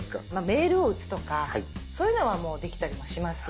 メールを打つとかそういうのはもうできたりはします。